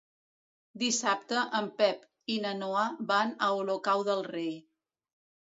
Dissabte en Pep i na Noa van a Olocau del Rei.